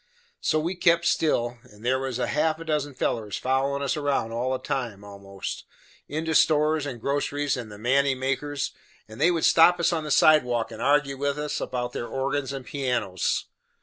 So we kep' still, and there was half a dozen fellers follerin' us round all the time a most, into stores and groceries and the manty makers, and they would stop us on the sidewalk and argue with us about their organs and pianos.